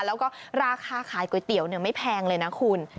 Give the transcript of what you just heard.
แล้วก็ราคาขายก๋วยเตี๋ยวไม่แพงเลยนะคุณ